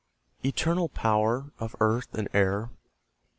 Eternal Power, of earth and air!